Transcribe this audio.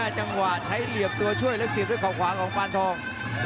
จังหวะใช้เหลี่ยมตัวช่วยแล้วเสียบด้วยเขาขวาของปานทอง